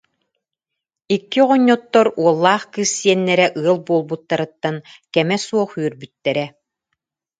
Икки оҕонньоттор уоллаах кыыс сиэннэрэ ыал буолбуттарыттан кэмэ суох үөрбүттэрэ